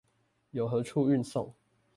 由何處運送？